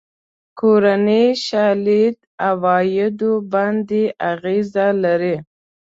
کورنۍ شالید عوایدو باندې اغېز لري.